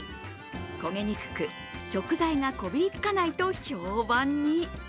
焦げにくく、食材がこびりつかないと評判に。